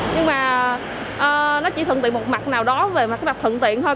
nhưng mà nó chỉ thuận tiện một mặt nào đó về mặt cái mặt thuận tiện thôi